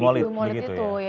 salah satunya lumolid begitu ya